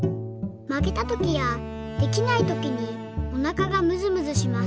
「まけたときやできないときにおなかがむずむずします。